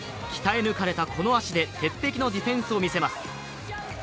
鍛え抜かれたこの足で鉄壁のディフェンスを見せます。